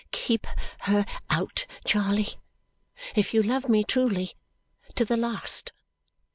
Keep her out, Charley, if you love me truly, to the last!